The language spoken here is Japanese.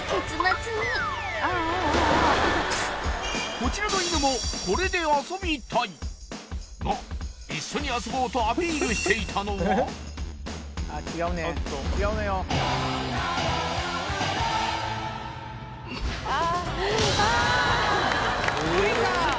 こちらの犬もこれで遊びたいが一緒に遊ぼうとアピールしていたのはえー！